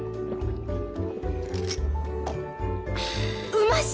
うまし！